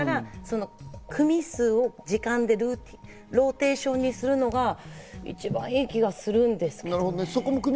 組数を時間でローテーションにするのが一番いい気がする。